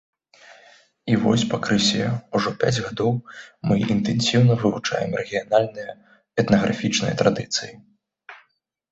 І вось пакрысе, ўжо пяць гадоў, мы інтэнсіўна вывучаем рэгіянальныя этнафанічныя традыцыі.